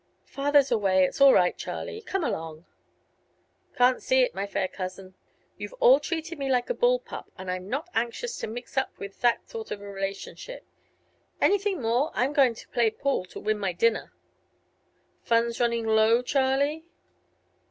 "Father's away. It's all right, Charlie. Come along." "Can't see it, my fair cousin. You've all treated me like a bull pup, and I'm not anxious to mix up with that sort of a relationship. Anything more? I'm going to play pool to win my dinner." "Funds running low, Charlie?"